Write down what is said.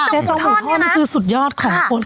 เจ๊จงหมูทอดนี่คือสุดยอดของคน